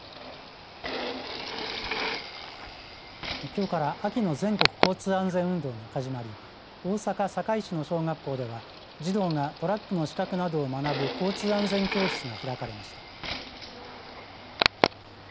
きょうから秋の全国交通安全運動が始まり大阪堺市の小学校では児童がトラックの資格などを学ぶ交通安全教室が開かれました。